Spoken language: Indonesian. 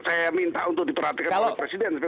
saya minta untuk diperhatikan oleh presiden